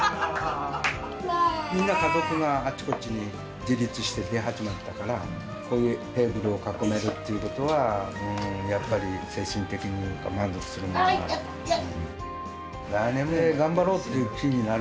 みんな家族があちこちに自立してて、出ていったから、こういうテーブルを囲めるっていうことは、やっぱり精神的に満足するものがある。